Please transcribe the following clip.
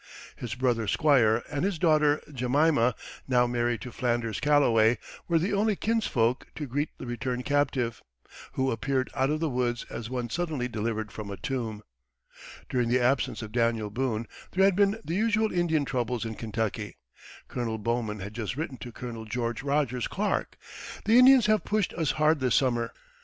His brother Squire, and his daughter Jemima now married to Flanders Calloway were the only kinsfolk to greet the returned captive, who appeared out of the woods as one suddenly delivered from a tomb. During the absence of Daniel Boone there had been the usual Indian troubles in Kentucky. Colonel Bowman had just written to Colonel George Rogers Clark, "The Indians have pushed us hard this summer."